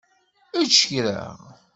Ečč kra!